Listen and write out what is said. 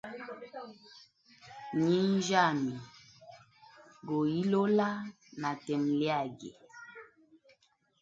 Nyinjyami goilola na temo lyage.